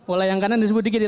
oleh yang kanan disebut di kiri